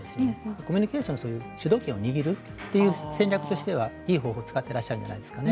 コミュニケーションの主導権を握るという戦略としてはいい方法を使っていらっしゃるんじゃないですかね。